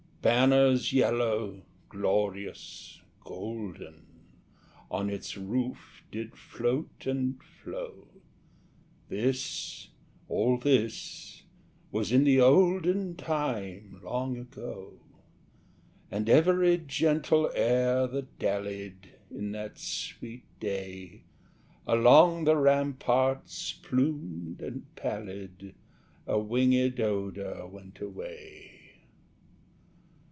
Banners yellow, glorious, golden, On its roof did float and flow, (This all this was in the olden Time long ago,) And every gentle air that dallied, In that sweet day, Along the ramparts plumed and pallid, A wingèd odour went away.